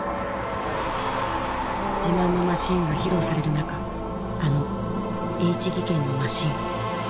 自慢のマシンが披露される中あのＨ技研のマシン。